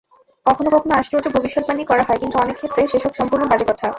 কখনও কখনও আশ্চর্য ভবিষ্যদ্বাণী করা হয়, কিন্তু অনেক ক্ষেত্রে সে-সব সম্পূর্ণ বাজে কথা।